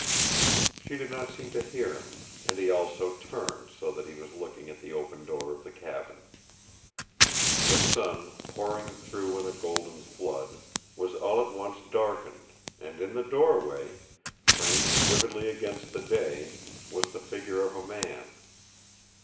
She did not seem to hear him, and he also turned so that he was looking at the open door of the cabin. The sun, pouring through in a golden flood, was all at once darkened, and in the doorway framed vividly against the day was the figure of a man.